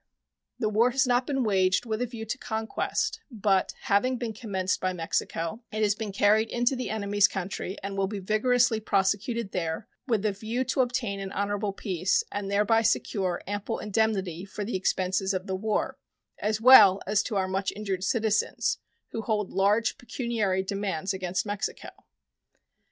The war has not been waged with a view to conquest, but, having been commenced by Mexico, it has been carried into the enemy's country and will be vigorously prosecuted there with a view to obtain an honorable peace, and thereby secure ample indemnity for the expenses of the war, as well as to our much injured citizens, who hold large pecuniary demands against Mexico.